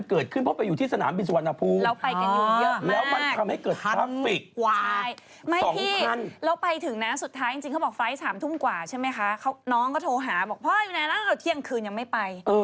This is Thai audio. เขาก็ยังมีความหวังว่าเขาจะได้ฟังอย่างนั้นสิ